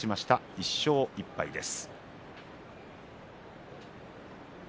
１勝１敗です。